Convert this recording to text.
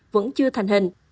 vẫn chưa thành hình